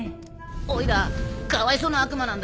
オイラかわいそうな悪魔なんだ。